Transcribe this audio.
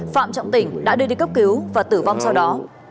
phạm trọng tỉnh đã đưa đi cấp cứu và tử vong sau đó